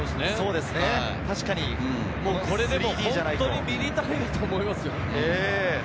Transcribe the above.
これで本当にミリ単位だと思いますよ。